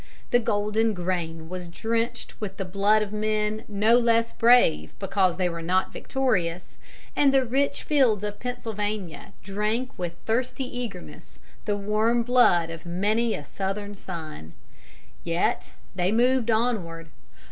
The golden grain was drenched with the blood of men no less brave because they were not victorious, and the rich fields of Pennsylvania drank with thirsty eagerness the warm blood of many a Southern son. Yet they moved onward.